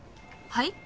はい？